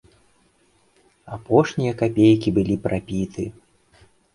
Апошнія капейкі былі прапіты.